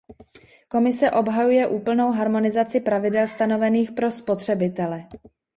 Komise obhajuje úplnou harmonizaci pravidel stanovených pro spotřebitele.